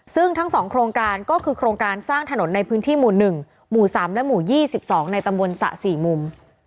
ซึ่งทั้ง๒โครงการก็คือโครงการสร้างถนนในพื้นที่หมู่๑หมู่๓และหมู่๒๒ในตำบลสระ๔มุม